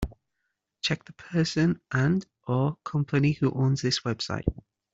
Check the person and/or company who owns this website.